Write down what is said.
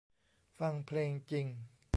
ฟังเพลงจริง